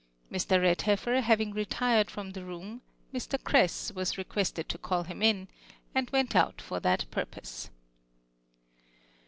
?.Ir. Redhcilcr, having retired from the room, Mr. Cress was requested tg call him in, and went out for that ptu po.se.